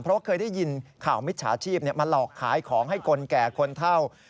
เพราะว่าเคยได้ยินข่าวมิจฉาชีพมาหลอกขายของให้คนแก่คนเท่า